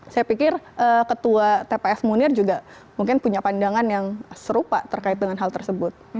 saya pikir ketua tpf munir juga mungkin punya pandangan yang serupa terkait dengan hal tersebut